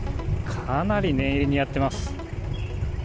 かなり念入りにやってます。